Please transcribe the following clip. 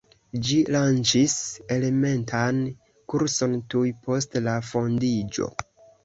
Ĝi lanĉis elementan kurson tuj post la fondiĝo.